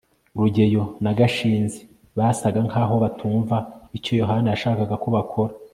rugeyo na gashinzi basaga nkaho batumva icyo yohana yashakaga ko bakora